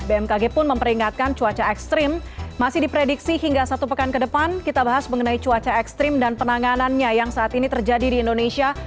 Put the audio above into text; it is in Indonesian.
bmkg pun memperingatkan cuaca ekstrim masih diprediksi hingga satu pekan ke depan kita bahas mengenai cuaca ekstrim dan penanganannya yang saat ini terjadi di indonesia